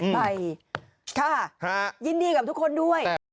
ไปค่ะยินดีกับทุกคนด้วย